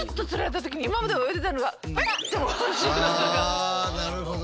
あなるほど。